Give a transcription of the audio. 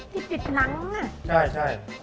ไม่ให้เพ็งใจหน่อยแต่ง็ไม่ทำนั้น